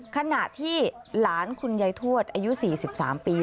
ขณะที่หลานคุณยายทวดอายุ๔๓ปี